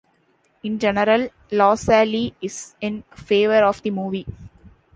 In general, LaSalle is in favour of the movie.